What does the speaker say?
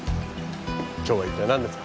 今日は一体なんですか？